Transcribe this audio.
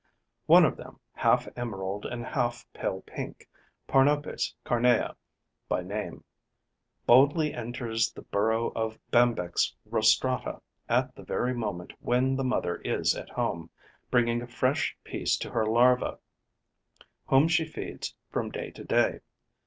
One of them, half emerald and half pale pink, Parnopes carnea by name, boldly enters the burrow of Bembex rostrata at the very moment when the mother is at home, bringing a fresh piece to her larva, whom she feeds from day to day.